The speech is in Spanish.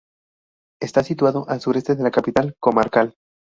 Está situado al sureste de la capital comarcal.